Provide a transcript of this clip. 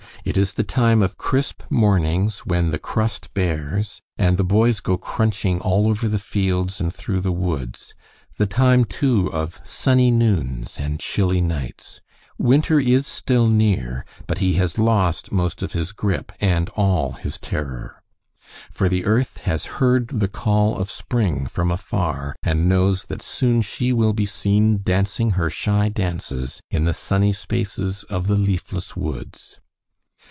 It is the time of crisp mornings, when "the crust bears," and the boys go crunching over all the fields and through the woods; the time, too, of sunny noons and chilly nights. Winter is still near, but he has lost most of his grip, and all his terror. For the earth has heard the call of spring from afar, and knows that soon she will be seen, dancing her shy dances, in the sunny spaces of the leafless woods.